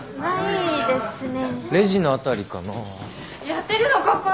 やってるのここ？